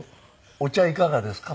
お茶いかがですか？